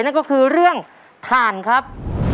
นั่นก็คือเรื่องถ่านครับ